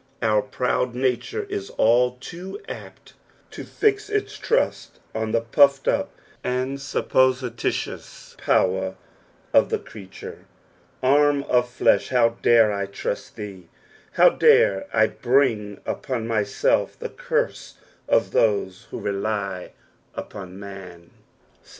our proud nature is all too apt to fix its trujt on the pufTed iip and supposilitious power of the creature. Arm of flesh, how dare I trust thee? How dare I bring upon myself the curse of those who rely upon man t 7.